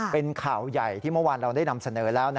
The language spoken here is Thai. เป็นข่าวใหญ่ที่เมื่อวานเราได้นำเสนอแล้ว